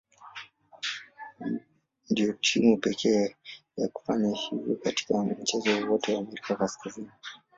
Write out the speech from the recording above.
Ndio timu pekee ya kufanya hivi katika mchezo wowote wa Amerika Kaskazini.